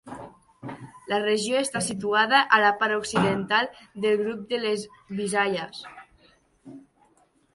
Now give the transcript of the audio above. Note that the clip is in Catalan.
La regió està situada a la part occidental del grup de les Visayas.